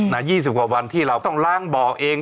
ในยี่สิบหกวันที่เราต้องล้างบอกเอง